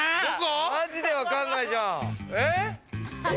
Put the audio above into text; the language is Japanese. マジでわかんないじゃん。